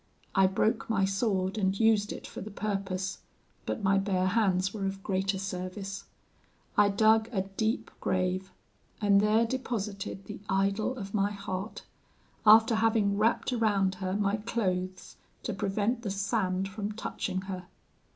I broke my sword and used it for the purpose; but my bare hands were of greater service. I dug a deep grave, and there deposited the idol of my heart, after having wrapt around her my clothes to prevent the sand from touching her.